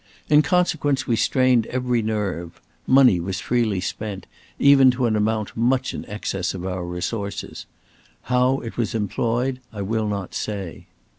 In consequence we strained every nerve. Money was freely spent, even to an amount much in excess of our resources. How it was employed, I will not say.